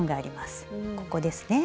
ここですね。